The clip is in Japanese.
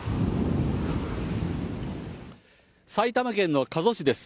埼玉県の加須市です。